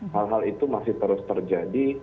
hal hal itu masih terus terjadi